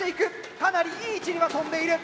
かなりいい位置には飛んでいる。